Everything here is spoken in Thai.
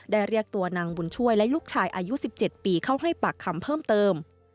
เรียกตัวนางบุญช่วยและลูกชายอายุ๑๗ปีเข้าให้ปากคำเพิ่มเติม